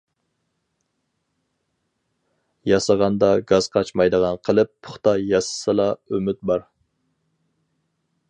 ياسىغاندا گاز قاچمايدىغان قىلىپ پۇختا ياسىسىلا ئۈمىد بار.